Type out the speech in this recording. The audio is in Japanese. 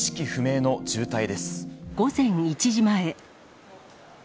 午前１時前。